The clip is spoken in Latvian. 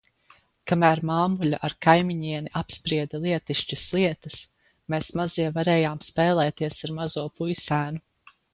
Kamēr māmuļa ar kaimiņieni apsprieda lietišķas lietas, mēs mazie varējām spēlēties ar mazo puisēnu.